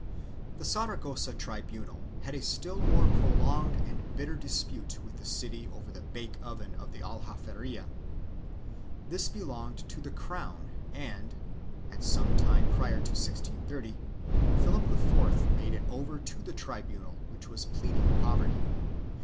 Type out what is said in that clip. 2 The Saragossa tribunal had a still more prolonged and bitter dispute with the city over the bake oven of the Aljaferia. This belonged to the crown and, at some time prior to 1630, Philip IV made it over to the tribunal which was pleading poverty.